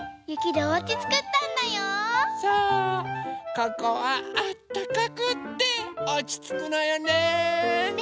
ここはあったかくておちつくのよね。ね。